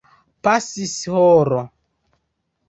Pasis horo.